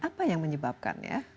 apa yang menyebabkan ya